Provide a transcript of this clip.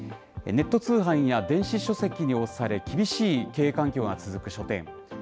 ネット通販や電子書籍に押され、厳しい経営環境が続く書店。